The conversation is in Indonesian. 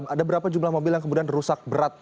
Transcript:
ada berapa jumlah mobil yang kemudian rusak berat